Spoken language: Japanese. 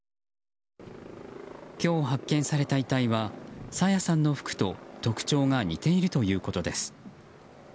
今日、発見された遺体は朝芽さんの服と特徴が似ているということです。